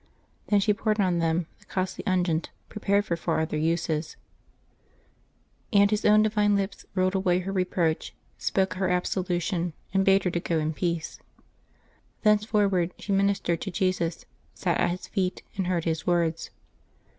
Then she poured on them the costly unguent prepared for far July :23] LIVES OF THE SAINTS 259 other uses; and His own divine lips rolled away her re proach, spoke her absolution, and bade her go in peace. Thenceforward she ministered to Jesus, sat at His feet, and heard His words.